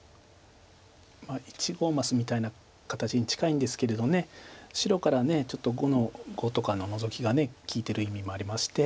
まあ一合枡みたいな形に近いんですけれど白からちょっと５の五とかのノゾキが利いてる意味もありまして。